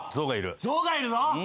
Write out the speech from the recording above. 象がいるぞ。